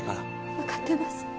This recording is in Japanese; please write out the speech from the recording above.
わかってます。